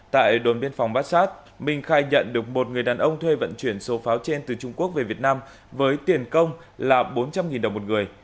tại đồn biên phòng bát sát minh khai nhận được một người đàn ông thuê vận chuyển số pháo trên từ trung quốc về việt nam với tiền công là bốn trăm linh đồng một người